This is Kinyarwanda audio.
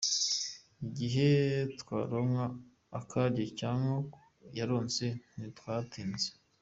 Igihe twaronka akaryo nk'ako yaronse ntitwatsinze.